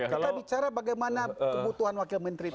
kita bicara bagaimana kebutuhan wakil menteri itu